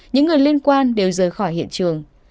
những người liên quan đều rơi khỏi hiện trường